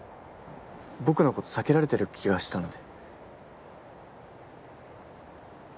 僕のこと避けられてる気がしたので。